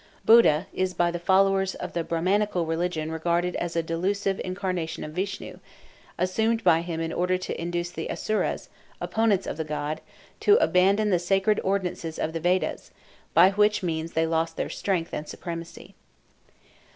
Buddha is by the followers of the Brahmanical religion regarded as a delusive incarnation of Vishnu, assumed by him in order to induce the Asuras, opponents of the gods, to abandon the sacred ordinances of the Vedas, by which means they lost their strength and supremacy.